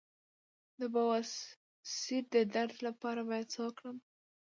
د بواسیر د درد لپاره باید څه وکړم؟